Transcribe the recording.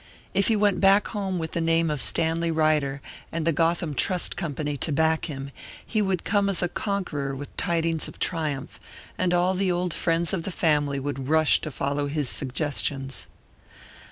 If he went back home with the name of Stanley Ryder and the Gotham Trust Company to back him, he would come as a conqueror with tidings of triumph, and all the old friends of the family would rush to follow his suggestions.